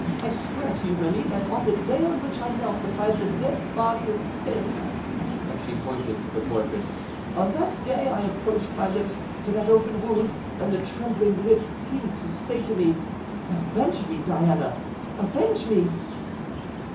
I swear to you, Remy, that on the day on which I knelt beside the dead body of him"—and she pointed to the portrait—"on that day I approached my lips to that open wound, and the trembling lips seemed to say to me, 'Avenge me, Diana!—avenge me!'"